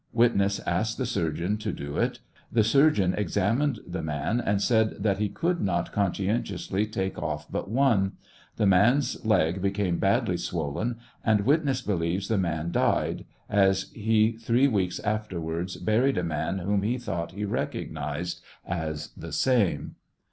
Witness asked the surgeon to do it. The surgeon examined the man and said that he could not conscientiously take off but one. The man's leg became badly swollen, and witness believes the man died, as he three weeks afterwards buried a man whom he thought he recognized as the same.